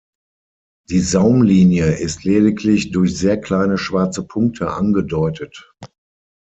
Die Saumlinie ist lediglich durch sehr kleine schwarze Punkte angedeutet.